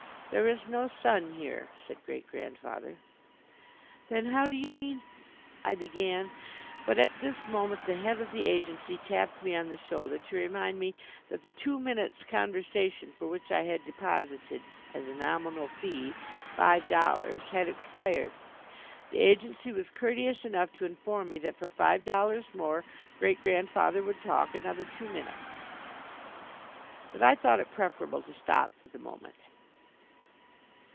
"There is no sun here," said Great grandfather. "Then how do you mean " I began. But at this moment the head of the agency tapped me on the shoulder to remind me that the two minutes' conversation for which I had deposited, as a nominal fee, five dollars, had expired. The agency was courteous enough to inform me that for five dollars more Great grandfather would talk another two minutes. But I thought it preferable to stop for the moment.